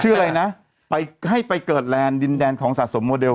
ชื่ออะไรนะให้ไปเกิดแรงดินแดนของสะสมโมเดล